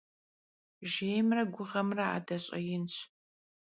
Jjêymre guğemre ade ş'einıf'ş.